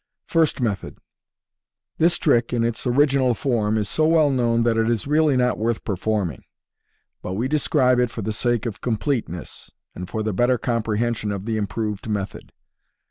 — First Method. — This trick, in its original form, is so well known that it is really not worth performing $ but we describe it for the sake of completeness, and for the better comprehension of the improved method.